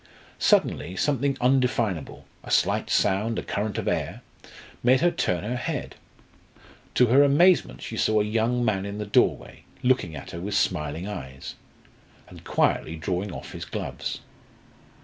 Suddenly, something undefinable a slight sound, a current of air made her turn her head. To her amazement she saw a young man in the doorway looking at her with smiling eyes, and quietly drawing off his gloves.